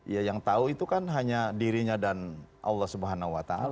ya yang tahu itu kan hanya dirinya dan allah swt